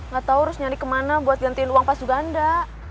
gak tau harus nyari kemana buat gantiin uang pas juga enggak